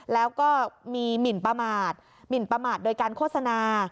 แล้วก็มีหมินประมาทหมินประมาทโดยการโฆษณา